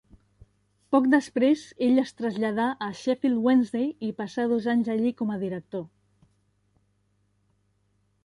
Poc després, ell es traslladà a Sheffield Wednesday i passà dos anys allí com a director.